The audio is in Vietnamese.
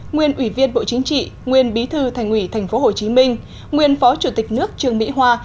nguyên ủy viên bộ chính trị nguyên bí thư thành ủy tp hcm nguyên phó chủ tịch nước trương mỹ hoa